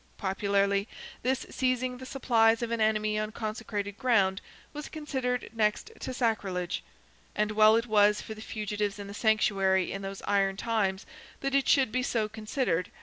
Popularly this seizing the supplies of an enemy on consecrated ground was considered next to sacrilege; and well it was for the fugitives in the sanctuary in those iron times that it should be so considered.